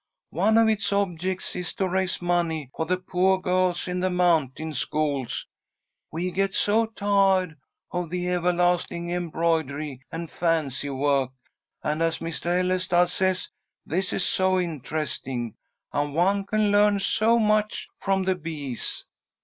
"One of its objects is to raise money for the poah girls in the mountain schools. We get so tiahed of the evahlasting embroidery and fancy work, and, as Mr. Ellestad says, this is so interesting, and one can learn so much from the bees."